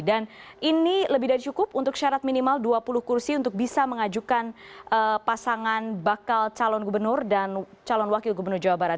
dan ini lebih dari cukup untuk syarat minimal dua puluh kursi untuk bisa mengajukan pasangan bakal calon gubernur dan calon wakil gubernur jawa barat